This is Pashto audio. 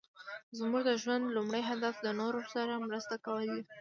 زموږ د ژوند لومړی هدف د نورو سره مرسته کول دي.